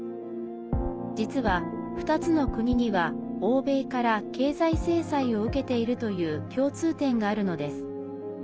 実は、２つの国には欧米から経済制裁を受けているという共通点があるのです。